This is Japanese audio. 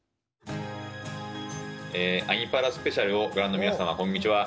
「アニ×パラスペシャル」をご覧の皆様、こんにちは。